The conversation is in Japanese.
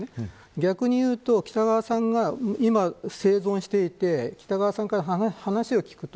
逆にいうと喜多川さんが今、生存していてジャニー喜多川さんから話を聞くと